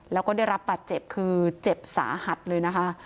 แล้วก็ได้รับบาดเจ็บคือเจ็บสาหัสเลยนะคะ